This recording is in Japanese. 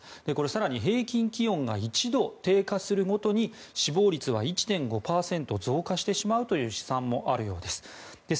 更に、平均気温が１度低下するごとに死亡率は１．５％増加してしまうという試算もあるようです。